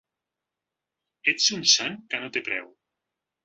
Ets un sant que no té preu!